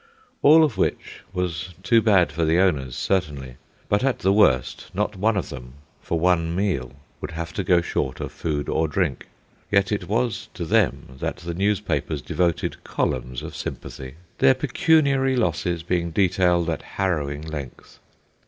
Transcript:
All of which was too bad for the owners, certainly; but at the worst, not one of them, for one meal, would have to go short of food or drink. Yet it was to them that the newspapers devoted columns of sympathy, their pecuniary losses being detailed at harrowing length.